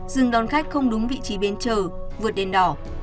dừng đón khách không đúng vị trí bên chờ vượt đèn đỏ